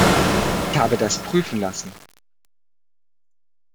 Ich habe das prüfen lassen.